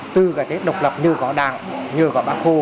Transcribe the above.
từ cái tết độc lập như có đảng như có ba cô